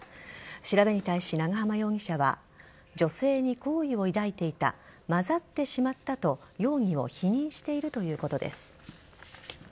調べに対し、長浜容疑者は女性に好意を抱いていた混ざってしまったと容疑を否認しているということです。